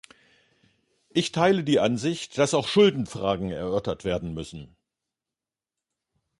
Ich teile die Ansicht, dass auch Schuldenfragen erörtert werden müssen.